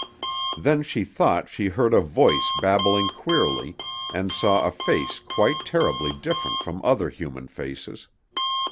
Then she thought she heard a voice babbling queerly and saw a face quite terribly different from other human faces.